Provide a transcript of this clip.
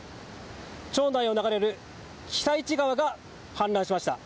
町内を流れる私都川が氾濫しました。